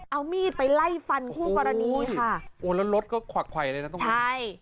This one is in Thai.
เอามีดไปไล่ฟันคู่กรณีค่ะโว้ยโว้ยแล้วรถก็ไขว่เลยนะ